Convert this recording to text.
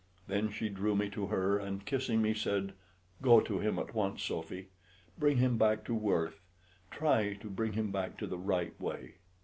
Then she drew me to her and, kissing me, said, "Go to him at once, Sophy. Bring him back to Worth; try to bring him back to the right way."